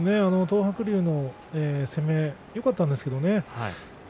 東白龍の攻めよかったんですけどね。